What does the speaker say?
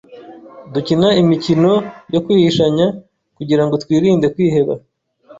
Dukina imikino yokwihishanya kugirango twirinde kwiheba